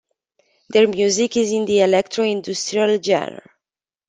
Their music is in the electro-industrial genre.